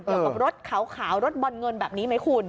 เกี่ยวกับรถขาวรถบ่อนเงินแบบนี้ไหมคุณ